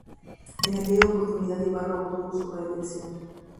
En aquella oportunidad Ibarra obtuvo su re-elección.